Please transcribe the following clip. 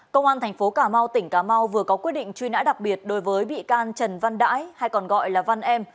công an thành phố cà mau tỉnh cà mau vừa có quyết định truy nã đặc biệt đối với bị can trần văn đãi hay còn gọi là văn em